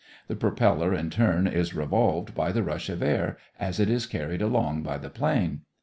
The propeller in turn is revolved by the rush of air as it is carried along by the plane.